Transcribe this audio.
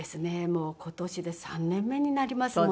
もう今年で３年目になりますもんね。